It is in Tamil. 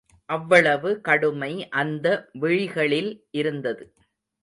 அவ்வளவு கடுமை அந்த விழிகளில் இருந்தது.